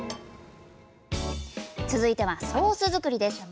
続いてはソース作りです。